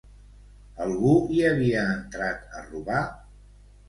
Algú hi havia entrat a robar?